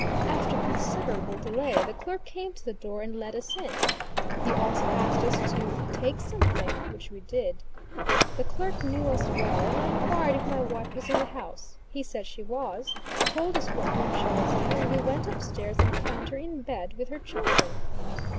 After considerable delay, the clerk came to the door and let us in. He also asked as to "take something," which we did. The clerk knew us well, and I inquired if my wife was in the house; he said she was, told us what room she was in, and we went up stairs and found her in bed with her children.